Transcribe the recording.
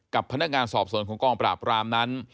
กับพนักงานสอบสวนของกองปราบรามนั้น